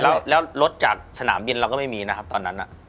แล้วรถจากสนามบินเราก็ไม่มีนะครับตอนนั้น